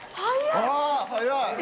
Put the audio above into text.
あ早い。